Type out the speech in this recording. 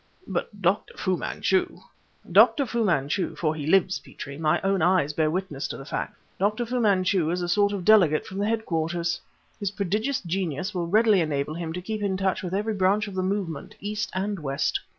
"But Dr. Fu Manchu " "Dr. Fu Manchu for he lives, Petrie! my own eyes bear witness to the fact Dr. Fu Manchu is a sort of delegate from the headquarters. His prodigious genius will readily enable him to keep in touch with every branch of the movement, East and West."